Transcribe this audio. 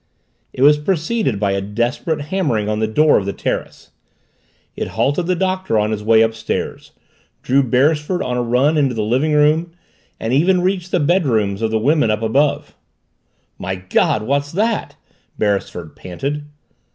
It was preceded by a desperate hammering on the door of the terrace. It halted the Doctor on his way upstairs, drew Beresford on a run into the living room, and even reached the bedrooms of the women up above. "My God! What's that?" Beresford panted.